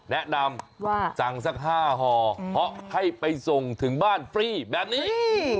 แนะนำว่าสั่งสัก๕ห่อเพราะให้ไปส่งถึงบ้านฟรีแบบนี้